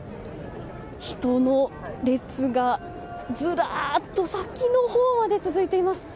人の列がずらっと先のほうまで続いてます。